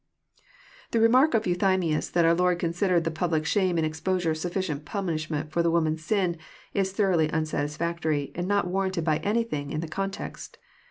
* The remark of Eathymias that onr Lord considered the pab* lie shame and exposure sufficient punishment for the woman's sin, is thoroughly unsatisfactory, and not warranted by any thing in the context.